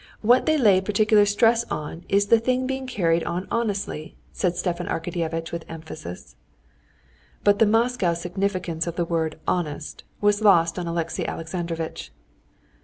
What they lay particular stress on is the thing being carried on honestly," said Stepan Arkadyevitch with emphasis. But the Moscow significance of the word "honest" was lost on Alexey Alexandrovitch.